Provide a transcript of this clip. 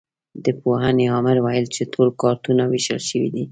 د پوهنې امر ویل چې ټول کارتونه وېشل شوي دي.